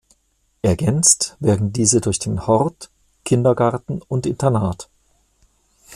Ergänzt werden diese durch den Hort, Kindergarten und Internat.